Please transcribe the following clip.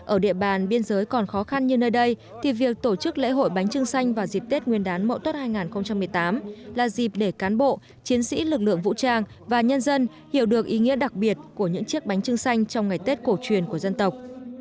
ở địa bàn biên giới còn khó khăn như nơi đây thì việc tổ chức lễ hội bánh trưng xanh vào dịp tết nguyên đán mậu tuất hai nghìn một mươi tám là dịp để cán bộ chiến sĩ lực lượng vũ trang và nhân dân hiểu được ý nghĩa đặc biệt của những chiếc bánh trưng xanh trong ngày tết cổ truyền của dân tộc